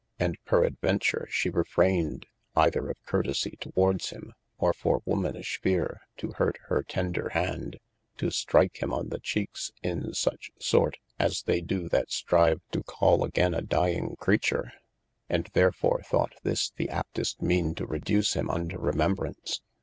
And perad venture she refrayned (either of curtesie towards him, or for womanish feare, to hurt her tender hande) to strike him on the cheekes in such sort, as they doe that strive to call againe a dying creature : and therefore thought this the aptest meane to reduce him unto remembrance.